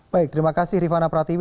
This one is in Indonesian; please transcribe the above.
baik terima kasih rifana pratiwi